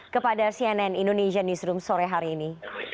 kepada cnn indonesia newsroom sore hari ini